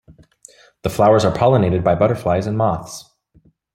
The flowers are pollinated by butterflies and moths.